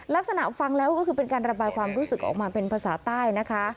ลักษณะฟังแล้วก็คือเป็นการระบายความรู้สึกออกมาเป็นภาษาใต้นะคะ